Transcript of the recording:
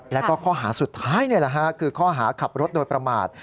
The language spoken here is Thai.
แล้วก็ข้อหาสุดท้ายคือข้อหาขับรถโดยประมาท